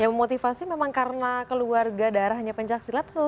ya memotivasi memang karena keluarga daerahnya pencaksilat